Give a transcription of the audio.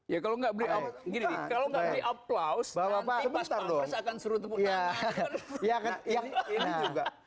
ya kalau enggak beli aplaus nanti pas powers akan suruh temukan